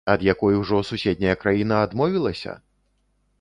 Ад якой ужо суседняя краіна адмовілася?